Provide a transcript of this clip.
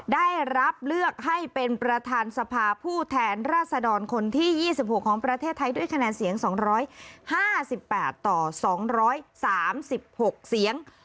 ได้รับเลือกให้เป็นประธานสภาผู้แทนราษดรคนที่๒๖ของประเทศไทยด้วยคะแนนเสียง๒๕๘ต่อ๒๓๖เสียง